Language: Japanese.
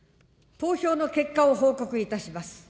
投票の結果を報告いたします。